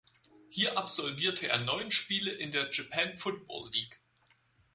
Hier absolvierte er neun Spiele in der Japan Football League.